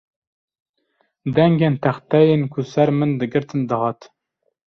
Dengên texteyên ku ser min digirtin dihat